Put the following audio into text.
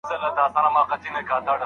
که څوک برس ونه کړي، ستونزې ډېرېږي.